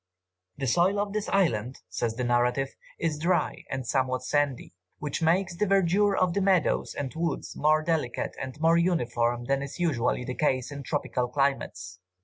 "The soil of this island," says the narrative, "is dry and somewhat sandy, which makes the verdure of the meadows and woods more delicate and more uniform than is usually the case in tropical climates.